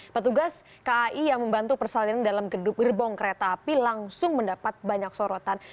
petugas kai yang membantu persalinan dalam gerbong kereta api langsung mendapat banyak sorotan